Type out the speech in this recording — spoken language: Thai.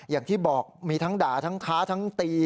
อย่างที่บอกมีทั้งด่าทั้งท้าทั้งตี